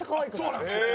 そうなんですよ！